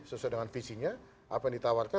sesuai dengan visinya apa yang ditawarkan